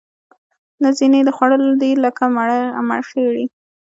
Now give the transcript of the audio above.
نه ځینې یې د خوړلو دي لکه مرخیړي